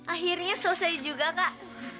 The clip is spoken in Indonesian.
akhirnya selesai juga kak